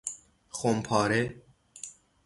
خمپاره